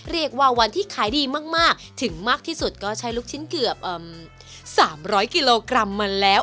เรียกว่าวันที่ขายดีมากถึงมากที่สุดก็ใช้ลูกชิ้นเกือบ๓๐๐กิโลกรัมมาแล้ว